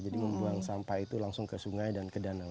jadi membuang sampah itu langsung ke sungai dan ke danau